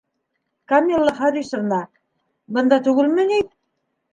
Камилла Харисовна... бында түгелме ни?